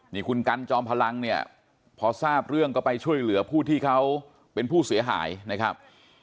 นี่คุณกันจอมพลังเนี่ยพอทราบเรื่องก็ไปช่วยเหลือผู้ที่เขาเป็นผู้เสียหายนะครับ